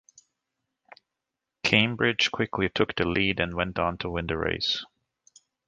Cambridge quickly took the lead and went on to win the race.